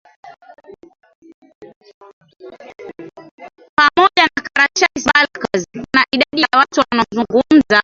pamoja na Karachais Balkars Kuna idadi ya watu wanaozungumza